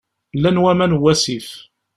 Llan waman n wasif.